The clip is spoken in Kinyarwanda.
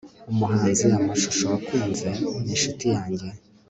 umuhanzi, amashusho wakunze, ni inshuti yanjye